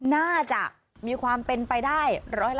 น่าจะมีความเป็นไปได้๑๕